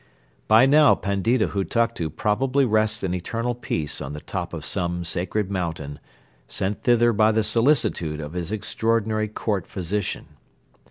By now Pandita Hutuktu probably rests in eternal peace on the top of some sacred mountain, sent thither by the solicitude of his extraordinary court physician.